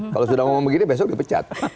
kalau sudah ngomong begini besok dipecat